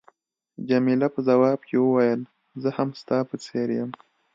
جميله په ځواب کې وویل، زه هم ستا په څېر یم.